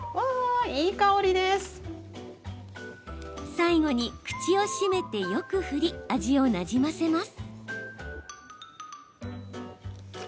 最後に、口を閉めてよく振り味をなじませます。